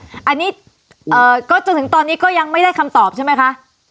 อันนี้ก็จนถึงตอนนี้ก็ยังไม่ได้คำตอบใช่ไหมคะ